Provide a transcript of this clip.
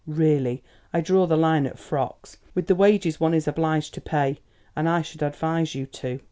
Really, I draw the line at frocks, with the wages one is obliged to pay; and I should advise you to."